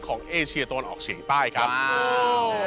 ของเอเชียต้นออกเฉียงใต้ครับว้าว